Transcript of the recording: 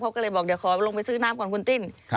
เขาก็เลยบอกเดี๋ยวขอลงไปซื้อน้ำก่อนคุณติ้น